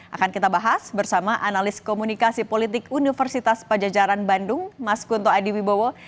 akan kita bahas bersama analis komunikasi politik universitas pajajaran bandung mas kunto adiwibowo